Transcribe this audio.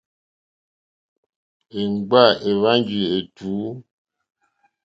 Èmgbâ èhwánjì ètùú.